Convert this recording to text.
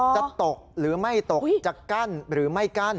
จะตกหรือไม่ตกจะกั้นหรือไม่กั้น